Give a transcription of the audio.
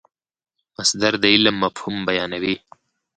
مصدر د عمل مفهوم بیانوي.